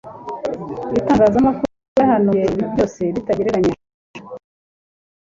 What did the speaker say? Itangazamakuru ryahanuye ibintu byose bitagereranijwe.